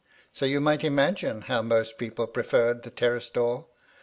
So you may imagine how most people preferred the terrace door.